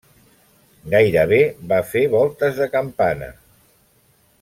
Gairebé va fer voltes de campana.